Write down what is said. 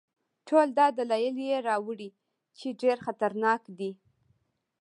ټول دا دلایل یې راوړي چې ډېر خطرناک دی.